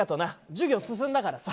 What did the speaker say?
授業進んだからさ。